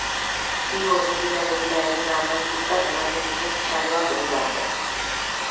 Hiru ordu gehiago dira eguna amaitutzat ematen duten txaloak heldu arte.